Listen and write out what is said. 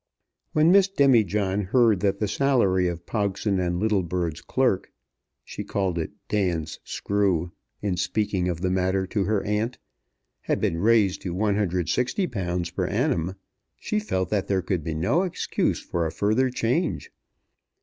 When Miss Demijohn heard that the salary of Pogson and Littlebird's clerk, she called it "Dan's screw" in speaking of the matter to her aunt, had been raised to £160 per annum, she felt that there could be no excuse for a further change.